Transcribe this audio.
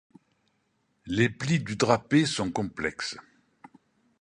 Les plis du drapé sont complexes.